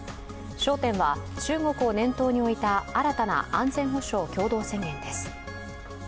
焦点は、中国を念頭に置いた新たな安全保障共同宣言です。